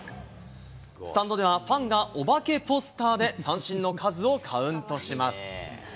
スタンドではファンがお化けポスターで三振の数をカウントします。